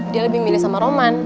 dia lebih milih sama roman